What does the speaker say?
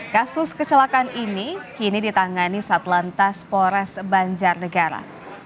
kasus kecelakaan ini kini ditangani satlantas polres banjarnegara